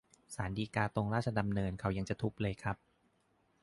ศาลฎีกาตรงราชดำเนินเขายังจะทุบเลยครับ